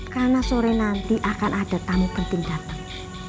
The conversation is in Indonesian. karena sore nanti akan ada tamu penting datang